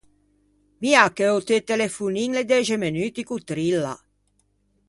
Mia che o teu telefonin l’é dexe menuti ch’o trilla.